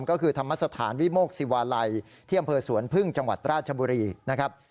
ก็คือธรรมสถานวิโมกศิวาลัยที่อำเภอสวนพึ่งจังหวัดราชบุรีนะครับ